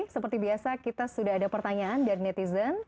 seperti biasa kita sudah ada pertanyaan dari netizen